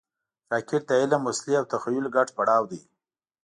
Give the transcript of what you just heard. راکټ د علم، وسلې او تخیل ګډ پړاو دی